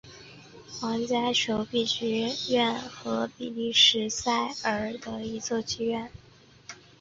皇家铸币局剧院是比利时布鲁塞尔的一座剧院。